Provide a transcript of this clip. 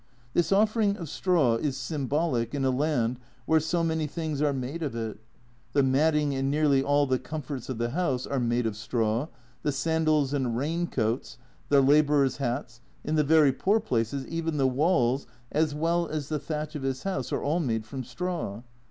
This offering of straw is symbolic in a land where so many things are made of it. The matting and nearly all the comforts of the house are made of straw, the sandals and rain coats, the labourer's hats, in the very poor places even the walls as well as the thatch of his house are all made of straw.